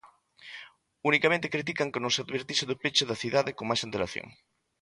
Unicamente critican que non se advertise do peche da cidade con máis antelación.